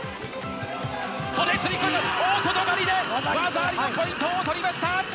袖釣り込み、大外刈りで、技ありのポイントを取りました。